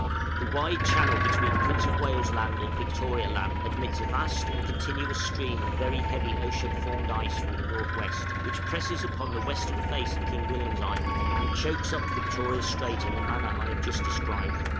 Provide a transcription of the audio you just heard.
The wide channel between Prince of Wales' Land and Victoria Land admits a vast and continuous stream of very heavy ocean formed ice from the N.W., which presses upon the western face of King William's Island, and chokes up Victoria Strait in the manner I have just described.